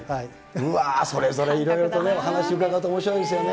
うわー、それぞれいろいろとね、話し伺うとおもしろいですよね。